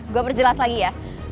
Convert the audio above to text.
gue perjelas lagi ya